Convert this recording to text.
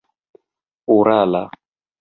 urala